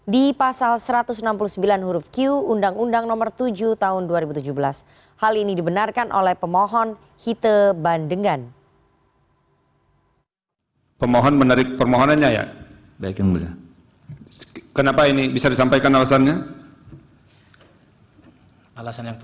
di pasal satu ratus enam puluh sembilan huruf q undang undang nomor tujuh tahun dua ribu tujuh belas hal ini dibenarkan oleh pemohon hite bandengan